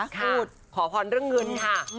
พูดขอพรเรื่องเงินค่ะ